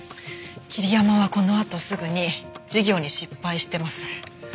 桐山はこのあとすぐに事業に失敗してます。